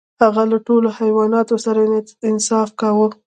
هغه له ټولو حیواناتو سره انصاف کاوه.